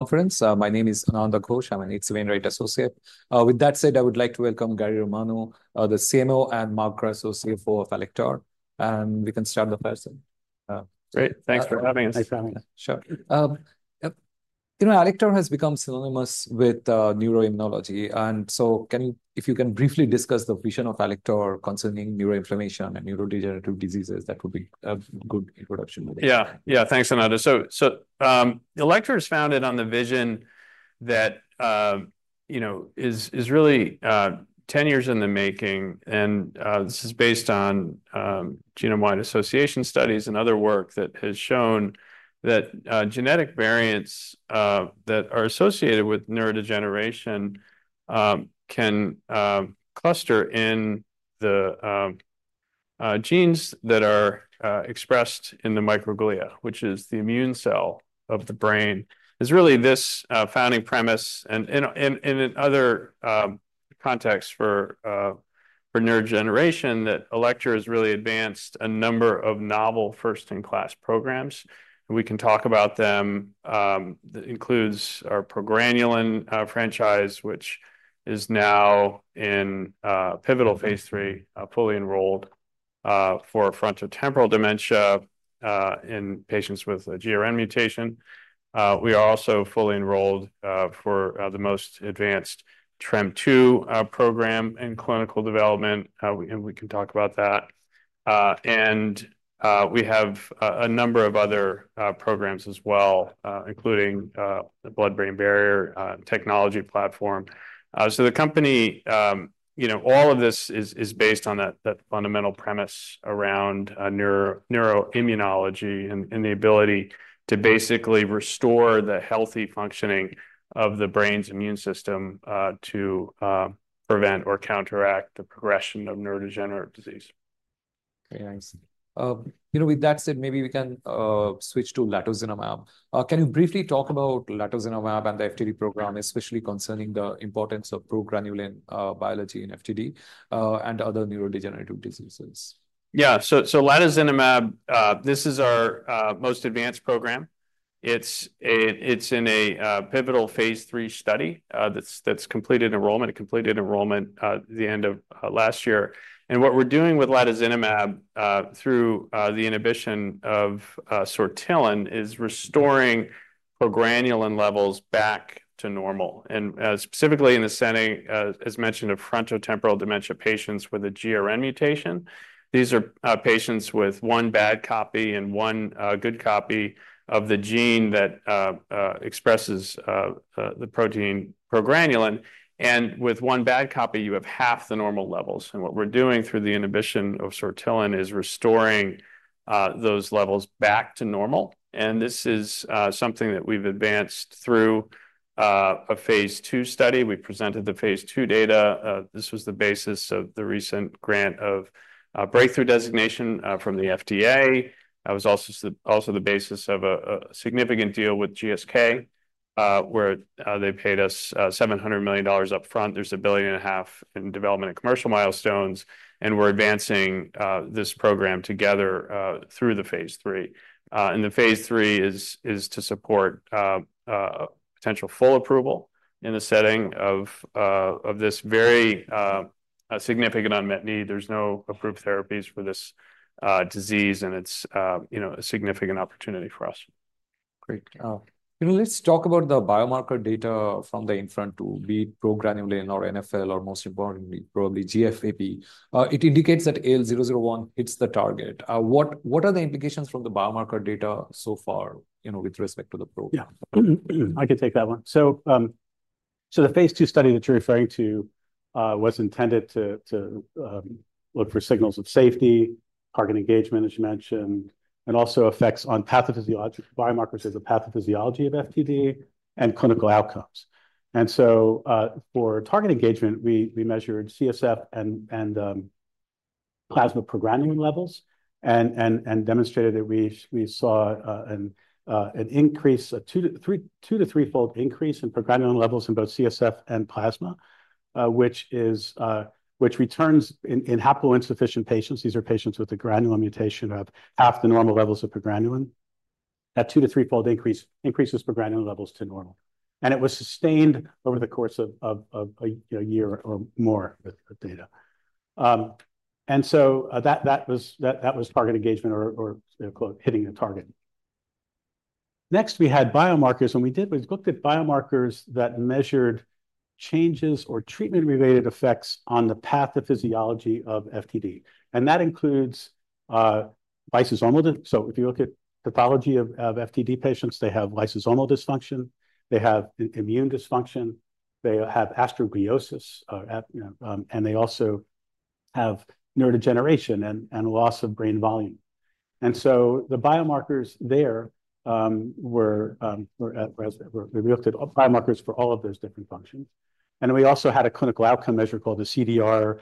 Conference. My name is Ananda Ghosh. I'm an 8VC associate. With that said, I would like to welcome Gary Romano, the CMO, and Marc Grasso, CFO of Alector, and we can start the first thing. Great, thanks for having us. Thanks for having us. Sure. Yep, you know, Alector has become synonymous with neuroimmunology, and so can you, if you can briefly discuss the vision of Alector concerning neuroinflammation and neurodegenerative diseases, that would be a good introduction. Yeah. Yeah, thanks, Ananda. So, Alector is founded on the vision that, you know, is really ten years in the making, and this is based on genome-wide association studies and other work that has shown that genetic variants that are associated with neurodegeneration can cluster in the genes that are expressed in the microglia, which is the immune cell of the brain. It's really this founding premise and in other contexts for neurodegeneration, that Alector has really advanced a number of novel first-in-class programs. We can talk about them, that includes our progranulin franchise, which is now in pivotal phase III, fully enrolled, for frontotemporal dementia in patients with a GRN mutation. We are also fully enrolled for the most advanced TREM2 program in clinical development, and we can talk about that. And we have a number of other programs as well, including the blood-brain barrier technology platform. So the company, you know, all of this is based on that fundamental premise around neuroimmunology and the ability to basically restore the healthy functioning of the brain's immune system to prevent or counteract the progression of neurodegenerative disease. Okay, I see. You know, with that said, maybe we can switch to latozinemab. Can you briefly talk about latozinemab and the FTD program, especially concerning the importance of progranulin biology in FTD and other neurodegenerative diseases? Yeah. So latozinemab, this is our most advanced program. It's in a pivotal phase III study that's completed enrollment. It completed enrollment at the end of last year. And what we're doing with latozinemab through the inhibition of sortilin is restoring progranulin levels back to normal. And specifically in the setting as mentioned of frontotemporal dementia patients with a GRN mutation. These are patients with one bad copy and one good copy of the gene that expresses the protein progranulin, and with one bad copy, you have half the normal levels. And what we're doing through the inhibition of sortilin is restoring those levels back to normal, and this is something that we've advanced through a phase II study. We presented the phase II data. This was the basis of the recent grant of breakthrough designation from the FDA. That was also the basis of a significant deal with GSK, where they paid us $700 million upfront. There's $1.5 billion in development and commercial milestones, and we're advancing this program together through the phase III. The phase III is to support potential full approval in the setting of this very significant unmet need. There's no approved therapies for this disease, and it's, you know, a significant opportunity for us. Great. You know, let's talk about the biomarker data from the INFRONT-2, be it progranulin or NfL, or most importantly, probably GFAP. It indicates that AL001 hits the target. What are the indications from the biomarker data so far, you know, with respect to the pro? Yeah. I can take that one. So, so the phase II study that you're referring to was intended to look for signals of safety, target engagement, as you mentioned, and also effects on pathophysiologic biomarkers of the pathophysiology of FTD and clinical outcomes. And so, for target engagement, we measured CSF and plasma progranulin levels and demonstrated that we saw an increase, a two- to threefold increase in progranulin levels in both CSF and plasma, which is, which returns in haploinsufficient patients. These are patients with a GRN mutation of half the normal levels of progranulin. That two- to threefold increase increases progranulin levels to normal, and it was sustained over the course of a year or more with data. That was target engagement or quote, "hitting the target." Next, we had biomarkers, and we looked at biomarkers that measured changes or treatment-related effects on the pathophysiology of FTD, and that includes, so if you look at pathology of FTD patients, they have lysosomal dysfunction, they have immune dysfunction, they have astrogliosis, and they also have neurodegeneration and loss of brain volume, so the biomarkers there were. We looked at biomarkers for all of those different functions. We also had a clinical outcome measure called the CDR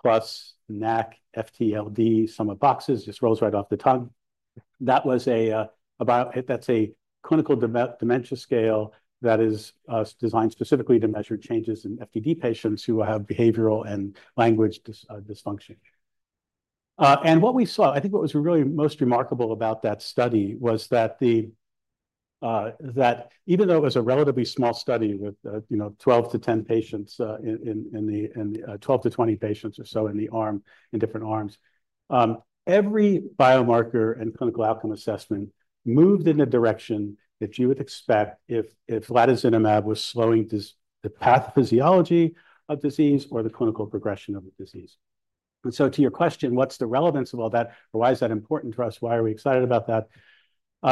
plus NACC FTLD sum of boxes, just rolls right off the tongue. That's a clinical dementia scale that is designed specifically to measure changes in FTD patients who have behavioral and language dysfunction, and what we saw, I think what was really most remarkable about that study was that even though it was a relatively small study with you know 12 to 10 patients in 12 to 20 patients or so in the arm in different arms, every biomarker and clinical outcome assessment moved in a direction that you would expect if latozinemab was slowing this the pathophysiology of disease or the clinical progression of the disease. And so to your question what's the relevance of all that or why is that important to us? Why are we excited about that?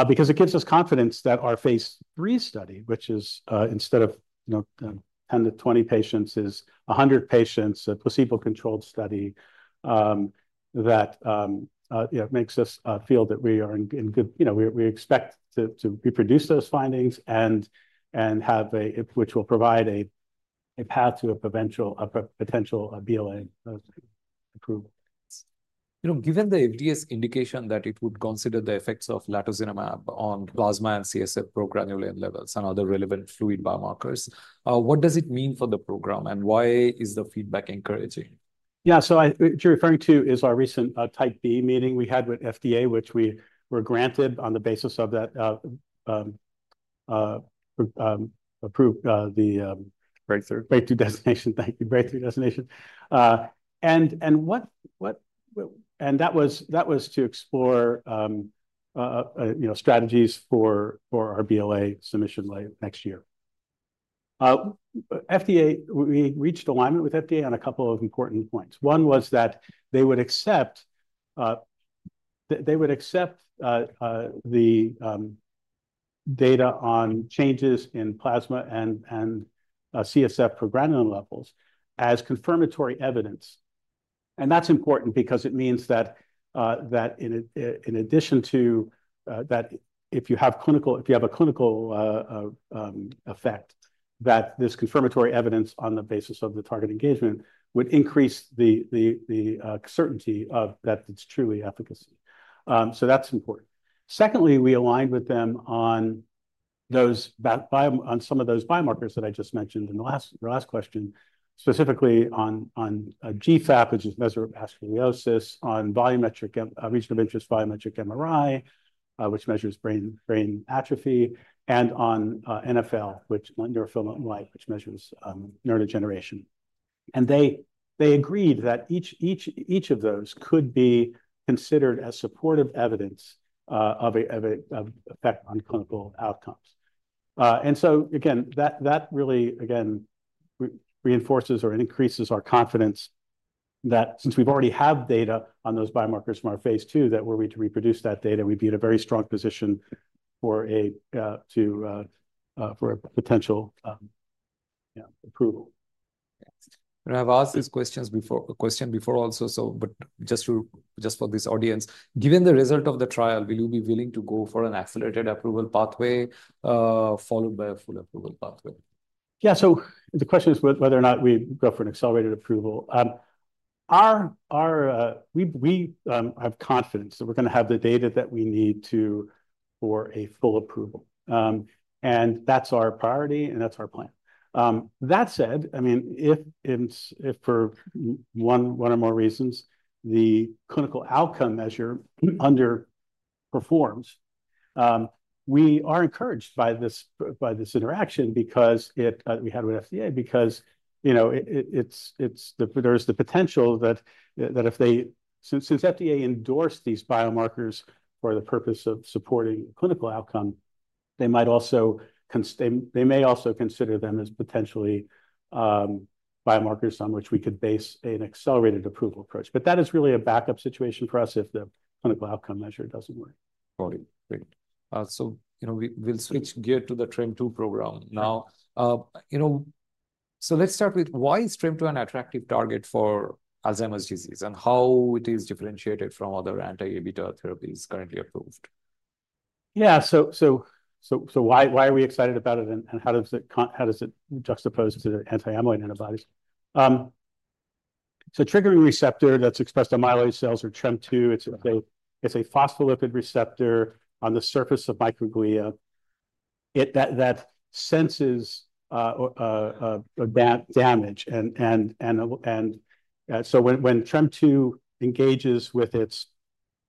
Because it gives us confidence that our phase III study, which is, instead of, you know, 10 to 20 patients, 100 patients, a placebo-controlled study, that, you know, makes us feel that we are in good-- you know, we expect to reproduce those findings and have a which will provide a path to a pivotal, a potential BLA approval. You know, given the FDA's indication that it would consider the effects of latozinemab on plasma and CSF progranulin levels and other relevant fluid biomarkers, what does it mean for the program, and why is the feedback encouraging? Yeah, so what you're referring to is our recent type B meeting we had with FDA, which we were granted on the basis of that approved the- Breakthrough. Breakthrough designation. Thank you. Breakthrough designation. And that was to explore you know strategies for our BLA submission late next year. But FDA we reached alignment with FDA on a couple of important points. One was that they would accept the data on changes in plasma and CSF progranulin levels as confirmatory evidence. And that's important because it means that in addition to that if you have a clinical effect, that this confirmatory evidence on the basis of the target engagement would increase the certainty of that it's truly efficacy. So that's important. Secondly, we aligned with them on those, on some of those biomarkers that I just mentioned in the last, the last question, specifically on GFAP, which is measure of astrogliosis, on volumetric region of interest volumetric MRI, which measures brain, brain atrophy, and on NfL, which neurofilament light, which measures neurodegeneration. And they, they agreed that each, each, each of those could be considered as supportive evidence of a, of a, of effect on clinical outcomes. And so again, that, that really, again, reinforces or increases our confidence that since we've already have data on those biomarkers from our phase II, that were we to reproduce that data, we'd be in a very strong position for a to for a potential yeah approval. I've asked these questions before also, but just for this audience, given the result of the trial, will you be willing to go for an accelerated approval pathway, followed by a full approval pathway? Yeah, so the question is whether or not we'd go for an accelerated approval. We have confidence that we're gonna have the data that we need for a full approval, and that's our priority, and that's our plan. That said, I mean, if for one or more reasons, the clinical outcome measure underperforms, we are encouraged by this interaction because we had it with FDA, because, you know, there is the potential that since FDA endorsed these biomarkers for the purpose of supporting clinical outcome, they may also consider them as potentially biomarkers on which we could base an accelerated approval approach. But that is really a backup situation for us if the clinical outcome measure doesn't work. Got it. Great. So you know, we'll switch gears to the TREM2 program now. You know, so let's start with why is TREM2 an attractive target for Alzheimer's disease, and how it is differentiated from other anti-amyloid therapies currently approved? Yeah. So why are we excited about it, and how does it juxtapose to the anti-amyloid antibodies? So triggering receptor that's expressed on myeloid cells or TREM2, it's a phospholipid receptor on the surface of microglia. That senses damage. And so when TREM2 engages with its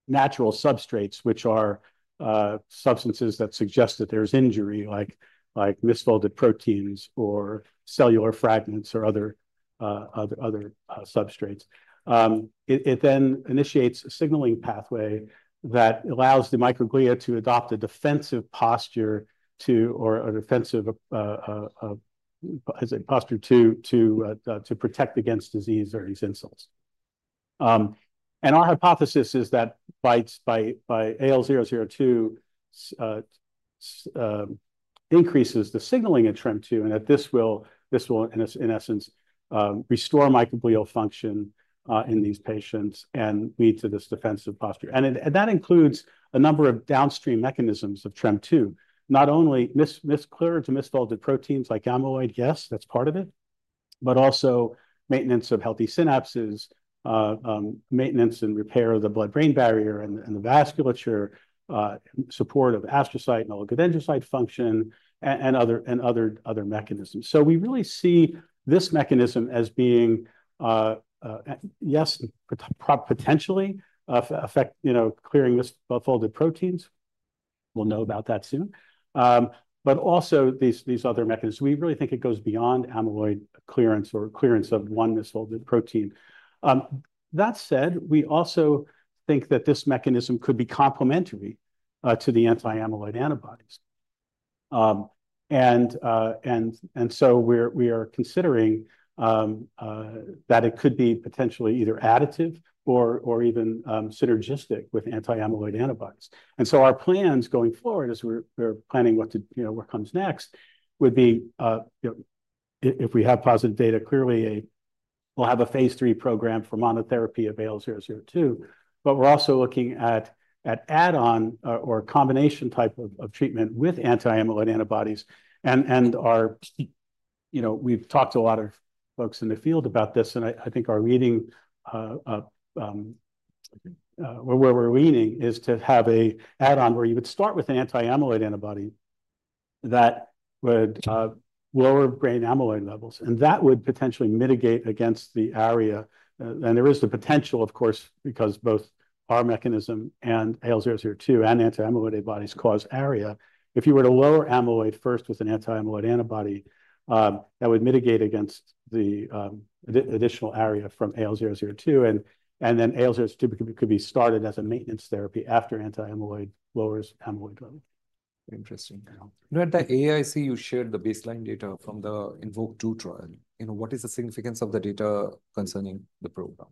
natural substrates, which are substances that suggest that there's injury, like misfolded proteins or cellular fragments or other substrates, it then initiates a signaling pathway that allows the microglia to adopt a defensive posture to or a defensive as a posture to to protect against disease or these insults. And our hypothesis is that AL002 increases the signaling in TREM2, and that this will, in essence, restore microglial function in these patients and lead to this defensive posture. And that includes a number of downstream mechanisms of TREM2, not only clearance of misfolded proteins like amyloid. Yes, that's part of it, but also maintenance of healthy synapses, maintenance and repair of the blood-brain barrier and the vasculature, support of astrocyte and oligodendrocyte function, and other mechanisms. So we really see this mechanism as being potentially affecting, you know, clearing misfolded proteins. We'll know about that soon. But also these other mechanisms. We really think it goes beyond amyloid clearance or clearance of one misfolded protein. That said, we also think that this mechanism could be complementary to the anti-amyloid antibodies. And so we are considering that it could be potentially either additive or even synergistic with anti-amyloid antibodies. And so our plans going forward as we're planning what to, you know, what comes next, would be, you know, if we have positive data, clearly, we'll have a phase III program for monotherapy of AL002. But we're also looking at add-on or combination type of treatment with anti-amyloid antibodies. Our you know, we've talked to a lot of folks in the field about this, and I think our leaning, where we're leaning is to have an add-on where you would start with an anti-amyloid antibody that would lower brain amyloid levels, and that would potentially mitigate against the ARIA. There is the potential, of course, because both our mechanism and AL002 and anti-amyloid antibodies cause ARIA. If you were to lower amyloid first with an anti-amyloid antibody, that would mitigate against the additional ARIA from AL002, and then AL002 could be started as a maintenance therapy after anti-amyloid lowers amyloid level. Interesting. Now, at the AAIC, you shared the baseline data from the INVOKE-2 trial. You know, what is the significance of the data concerning the program?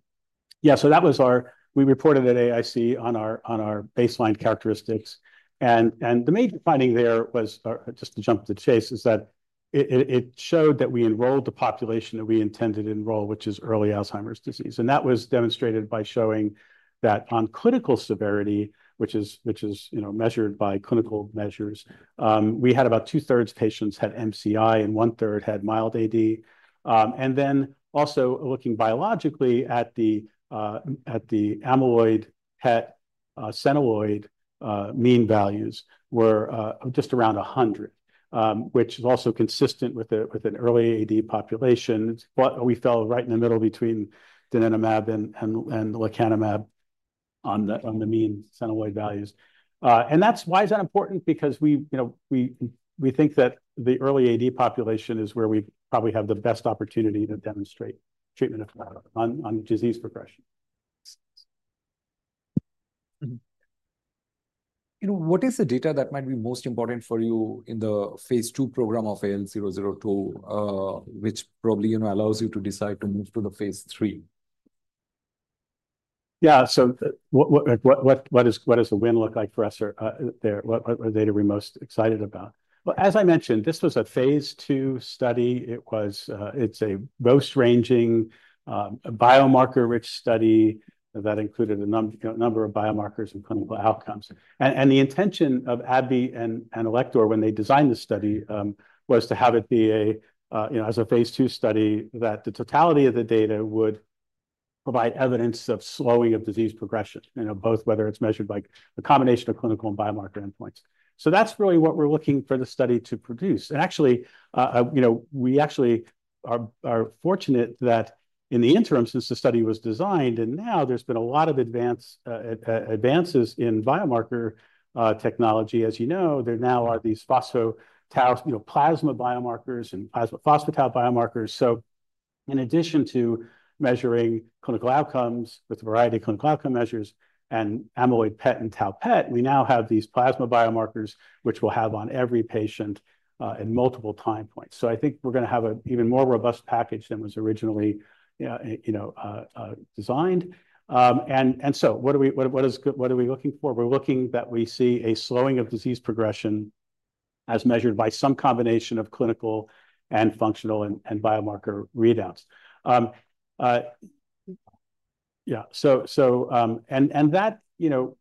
Yeah, so that was our. We reported at AAIC on our baseline characteristics. The main finding there was, just to jump to the chase, that it showed we enrolled the population that we intended to enroll, which is early Alzheimer's disease. That was demonstrated by showing that on clinical severity, which is, you know, measured by clinical measures, we had about two-thirds patients had MCI and one-third had mild AD. And then also, looking biologically at the amyloid PET centiloid mean values were just around 100, which is also consistent with an early AD population. But we fell right in the middle between donanemab and latozinemab on the mean centiloid values. And that's why is that important? Because we, you know, we think that the early AD population is where we probably have the best opportunity to demonstrate treatment effect on disease progression. You know, what is the data that might be most important for you in the phase II program of AL002, which probably, you know, allows you to decide to move to the phase III? Yeah. So what is, what does the win look like for us there? What are the data we're most excited about? Well, as I mentioned, this was a phase II study. It was. It's a dose-ranging, a biomarker-rich study that included a number of biomarkers and clinical outcomes. And the intention of AbbVie and Alector when they designed the study was to have it be a, you know, as a phase II study, that the totality of the data would provide evidence of slowing of disease progression, you know, both whether it's measured by a combination of clinical and biomarker endpoints. So that's really what we're looking for the study to produce. Actually, you know, we actually are fortunate that in the interim, since the study was designed, and now there's been a lot of advances in biomarker technology. As you know, there now are these phospho-tau, you know, plasma biomarkers and plasma phospho-tau biomarkers. So in addition to measuring clinical outcomes with a variety of clinical outcome measures and amyloid PET and tau PET, we now have these plasma biomarkers, which we'll have on every patient in multiple time points. So I think we're gonna have an even more robust package than was originally, you know, designed. And so what are we looking for? We're looking that we see a slowing of disease progression as measured by some combination of clinical and functional and biomarker readouts. Yeah, so, and that, you know,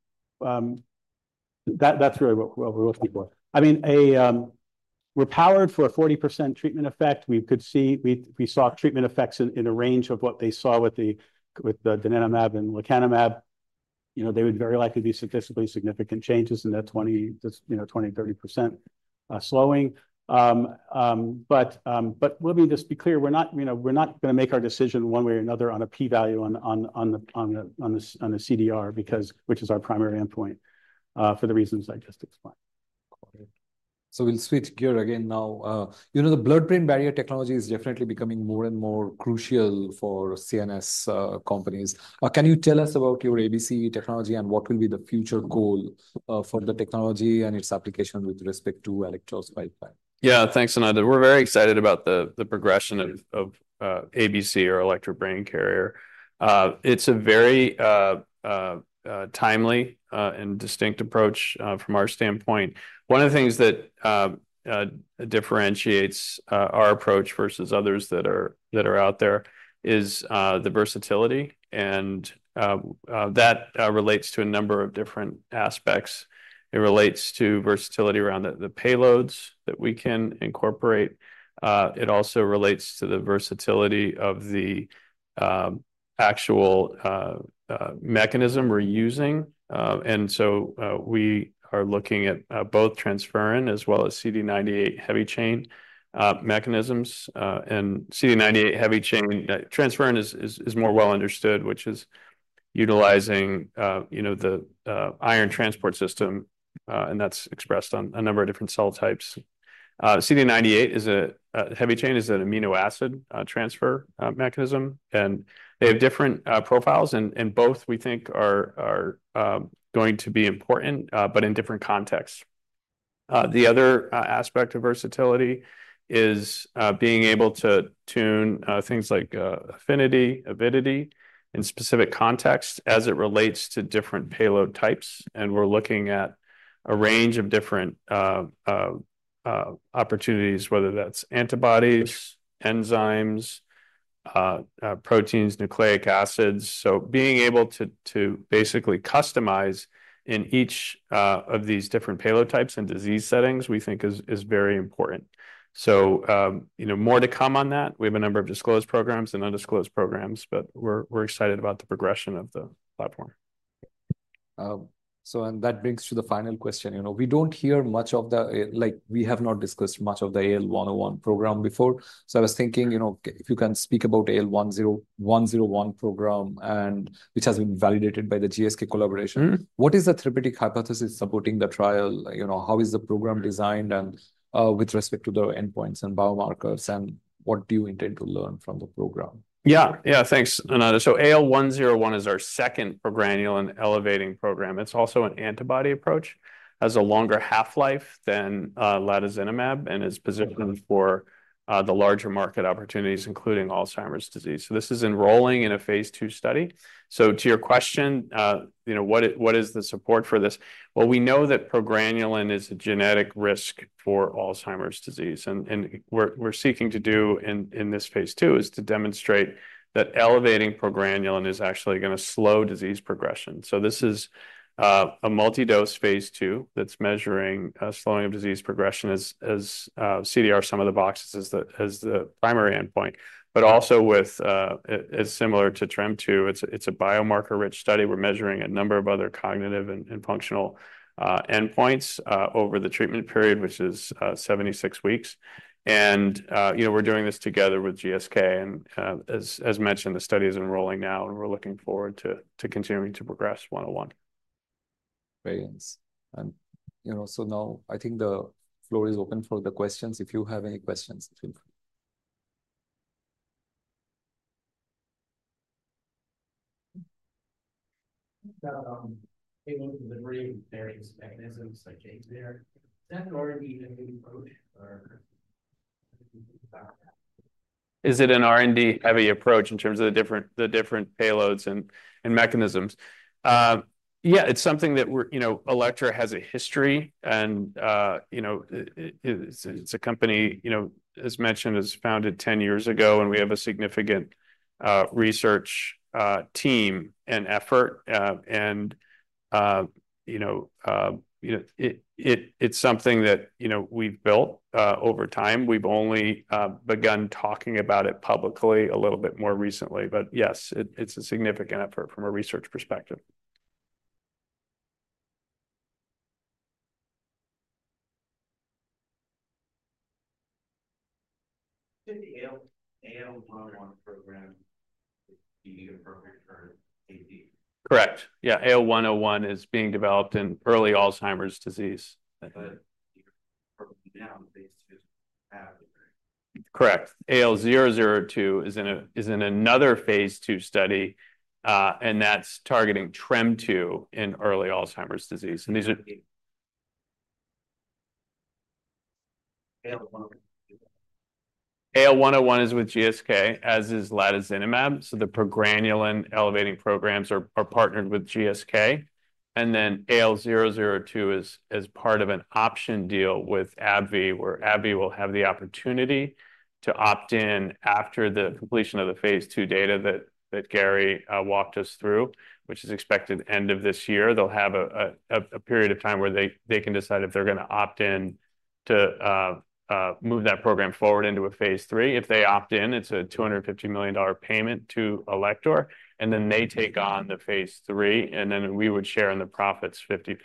that, that's really what, what we're looking for. I mean, we're powered for a 40% treatment effect. We could see. We saw treatment effects in a range of what they saw with the donanemab and latozinemab. You know, they would very likely be statistically significant changes in that 20, that's, you know, 20%-30% slowing. But let me just be clear, we're not, you know, we're not gonna make our decision one way or another on a p-value, on the CDR because which is our primary endpoint, for the reasons I just explained. Got it. So we'll switch gear again now. You know, the blood-brain barrier technology is definitely becoming more and more crucial for CNS companies. Can you tell us about your ABC technology and what will be the future goal for the technology and its application with respect to Alector's pipeline? Yeah, thanks, Ananda. We're very excited about the progression of ABC, or Alector Brain Carrier. It's a very timely and distinct approach from our standpoint. One of the things that differentiates our approach versus others that are out there is the versatility, and that relates to a number of different aspects. It relates to versatility around the payloads that we can incorporate. It also relates to the versatility of the actual mechanism we're using. And so, we are looking at both transferrin as well as CD98 heavy chain mechanisms. And CD98 heavy chain, transferrin is more well understood, which is... Utilizing, you know, the iron transport system, and that's expressed on a number of different cell types. CD98 is a heavy chain, is an amino acid transfer mechanism, and they have different profiles, and both, we think, are going to be important, but in different contexts. The other aspect of versatility is being able to tune things like affinity, avidity, and specific context as it relates to different payload types, and we're looking at a range of different opportunities, whether that's antibodies, enzymes, proteins, nucleic acids. So being able to basically customize in each of these different payload types and disease settings, we think is very important. So, you know, more to come on that. We have a number of disclosed programs and undisclosed programs, but we're excited about the progression of the platform. That brings to the final question. You know, we have not discussed much of the AL101 program before. I was thinking, you know, if you can speak about AL101 program, and which has been validated by the GSK collaboration. Mm-hmm. What is the therapeutic hypothesis supporting the trial? You know, how is the program designed and, with respect to the endpoints and biomarkers, and what do you intend to learn from the program? Yeah, yeah. Thanks, Ananda. So AL101 is our second progranulin elevating program. It's also an antibody approach, has a longer half-life than latozinemab, and is positioned for the larger market opportunities, including Alzheimer's disease. So this is enrolling in a phase II study. So to your question, you know, what is the support for this? Well, we know that progranulin is a genetic risk for Alzheimer's disease, and we're seeking to do in this phase II is to demonstrate that elevating progranulin is actually gonna slow disease progression. So this is a multi-dose phase II that's measuring slowing of disease progression as CDR sum of the boxes as the primary endpoint. But also it's similar to TREM2. It's a biomarker-rich study. We're measuring a number of other cognitive and functional endpoints over the treatment period, which is 76 weeks. And you know, we're doing this together with GSK, and as mentioned, the study is enrolling now, and we're looking forward to continuing to progress AL101. Great. And, you know, so now I think the floor is open for the questions. If you have any questions, feel free. In delivery, various mechanisms such as transferrin, is that already a new approach, or what do you think about that? Is it an R&D-heavy approach in terms of the different payloads and mechanisms? Yeah, it's something that we're, you know, Alector has a history, and, you know, it's a company, you know, as mentioned, it was founded ten years ago, and we have a significant research team and effort. And, you know, you know, it, it's something that, you know, we've built over time. We've only begun talking about it publicly a little bit more recently. But yes, it's a significant effort from a research perspective. Did the AL101 program be appropriate for AD? Correct. Yeah, AL101 is being developed in early Alzheimer's disease. But you're now in phase II, correct? Correct. AL002 is in another phase II study, and that's targeting TREM2 in early Alzheimer's disease. And these are- AL101. AL101 is with GSK, as is latozinemab, so the progranulin elevating programs are partnered with GSK. And then AL002 is part of an option deal with AbbVie, where AbbVie will have the opportunity to opt in after the completion of the phase II data that Gary walked us through, which is expected end of this year. They'll have a period of time where they can decide if they're gonna opt in to move that program forward into a phase III. If they opt in, it's a $250 million payment to Alector, and then they take on the phase III, and then we would share in the profits 50/50.